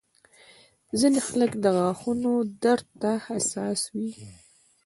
ځینې خلک د غاښونو درد ته حساس وي.